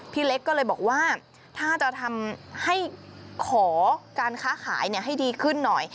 พี่เล็กก็เลยบอกว่าถ้าจะทำให้ขอการค้าขายให้ดีขึ้นหน่อย